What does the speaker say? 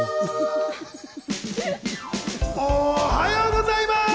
おはようございます！